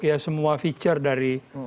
ya semua feature dari